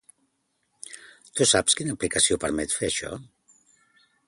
Tu saps quina aplicació permet fer això?